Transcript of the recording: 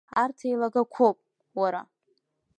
Арҭ еилагақәоуп, уара?!